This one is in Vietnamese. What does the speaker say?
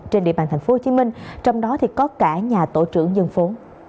trên địa bàn tp hcm trong đó có cả nhà tổ trưởng dân phố